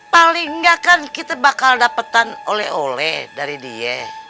paling gak kan kita bakal dapetan oleh oleh dari dia